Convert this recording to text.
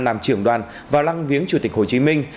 làm trưởng đoàn vào lăng viếng chủ tịch hồ chí minh